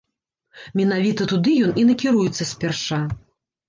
Менавіта туды ён і накіруецца спярша.